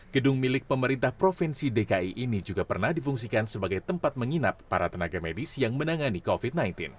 gedung milik pemerintah provinsi dki ini juga pernah difungsikan sebagai tempat menginap para tenaga medis yang menangani covid sembilan belas